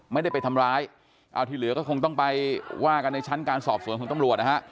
ไม่ได้ไปทำร้ายเอาที่เหลือก็คงต้องไปว่ากันในชั้นการสอบสวนของตำรวจนะฮะ